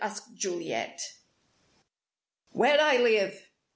asked Juliet. "Where I live.